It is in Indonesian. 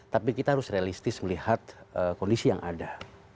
tapi kita harus realistis melihat kondisi yang ada